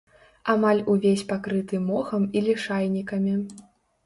Амаль увесь пакрыты мохам і лішайнікамі.